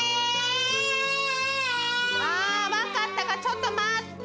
分かったから、ちょっと待って。